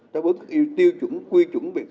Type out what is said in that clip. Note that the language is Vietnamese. đối với các tiêu chuẩn quy chuẩn về môi trường